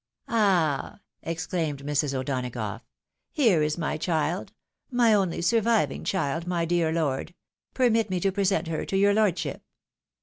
"Ah!" exclaimed Mrg. O'Donagough, "here is my child! my only surviving child, my dear lord ! permit me to present her to your lordship."